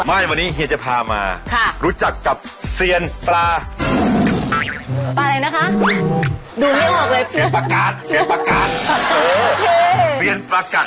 ไม่วันนี้เฮียจะพามารู้จักกับเซียนปลาอะไรนะคะ